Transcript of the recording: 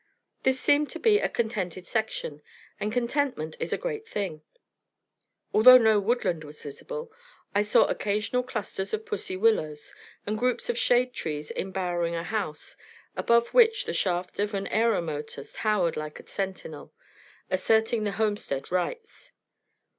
This seemed to be a contented section, and contentment is a great thing. Although no woodland was visible, I saw occasional clusters of "pussy willows," and groups of shade trees embowering a house, above which the shaft of an aeromotor towered like a sentinel, asserting the homestead rights.